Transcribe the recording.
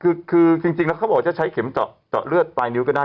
คือจริงแล้วเขาบอกว่าจะใช้เข็มเจาะเลือดปลายนิ้วก็ได้